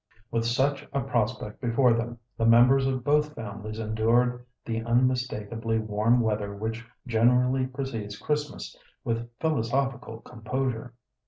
With such a prospect before them, the members of both families endured the unmistakably warm weather which generally precedes Christmas with philosophical composure.